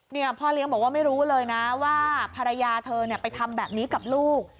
พ่อเลี้ยงบอกว่าไม่รู้เลยนะว่าภรรยาเธอเนี่ยไปทำแบบนี้กับลูก